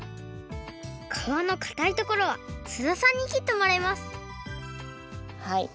皮のかたいところは津田さんにきってもらいますはい。